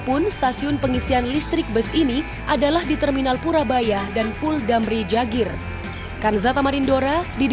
untuk sekali pulang pergi perlu waktu pengisian bus listrik